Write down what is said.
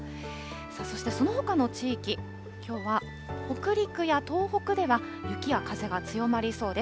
そしてそのほかの地域、きょうは北陸や東北では雪や風が強まりそうです。